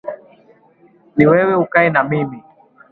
Ni wewe ukae na mimi